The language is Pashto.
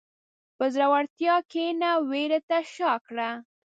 په زړورتیا کښېنه، وېرې ته شا کړه.